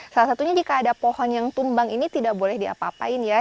salah satunya jika ada pohon yang tumbang ini tidak boleh diapa apain ya